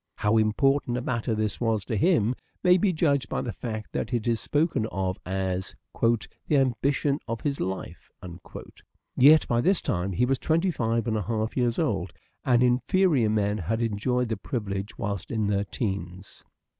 How important a matter this was to him may be judged by the fact that it is spoken of as " the ambition of his life "; yet by this time he was twenty five and a half years old, and inferior men had enjoyed the privilege whilst in their teens.